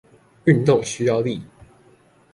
運動需要力